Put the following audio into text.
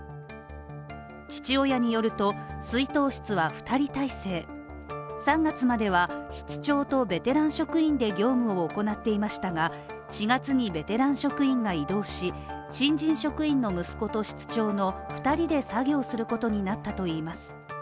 父親によると、出納室は２人体制、３月までは室長とベテラン職員で業務を行っていましたが、４月にベテラン職員が異動し、新人職員の息子と室長の２人で作業することになったといいます。